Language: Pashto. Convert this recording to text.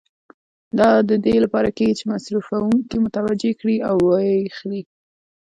دا د دې لپاره کېږي چې مصرفوونکي متوجه کړي او و یې اخلي.